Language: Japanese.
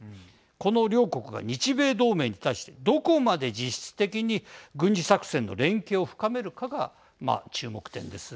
この両国が日米同盟に対してどこまで実質的に軍事作戦の連携を深めるかが注目点です。